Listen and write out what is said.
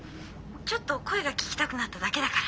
ちょっと声が聞きたくなっただけだから。